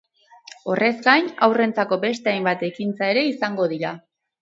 Horrez gain, haurrentzako beste hainbat ekintza ere izango dira.